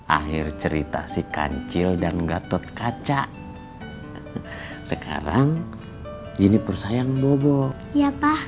akhir cerita si kancil dan gatot kaca sekarang jenipur sayang bobo ya pak